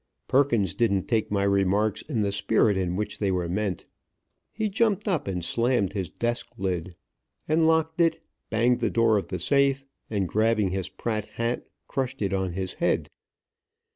Perkins didn't take my remarks in the spirit in which they were meant. He jumped up and slammed his desk lid, and locked it, banged the door of the safe, and, grabbing his Pratt hat, crushed it on his head.